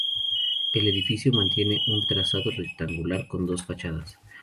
El edificio mantiene un trazado rectangular con dos fachadas.